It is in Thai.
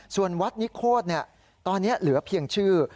ส่วนวัดนิโคตรตอนนี้เหลือเพียงชื่อ